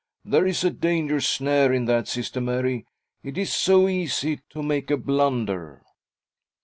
There is a dangerous snare in that, Sister Mary. It is so easy to make a blunder."